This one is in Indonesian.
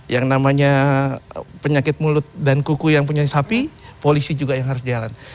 yang namanya penyakit mulut dan kuku yang punya sapi polisi juga yang harus jalan